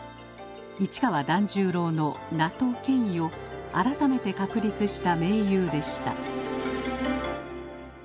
市川團十郎の名と権威を改めて確立した名優でした